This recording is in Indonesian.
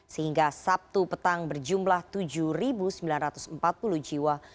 sehingga sabtu petang berjumlah tujuh sembilan ratus empat puluh jiwa